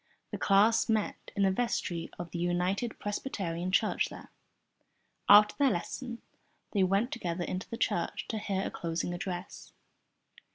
The class met in the vestry of the United Presbyterian Church there. After their lesson they went together into the church to hear a closing address.